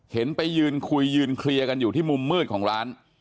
ไปยืนคุยยืนเคลียร์กันอยู่ที่มุมมืดของร้าน